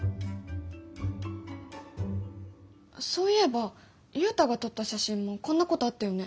そういえばユウタが撮った写真もこんなことあったよね？